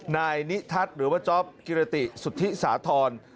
นายนิทัศน์หรือว่าจ๊อปกิรติสุธิสาธร